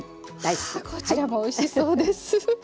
こちらもおいしそうです。